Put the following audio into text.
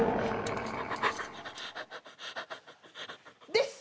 です。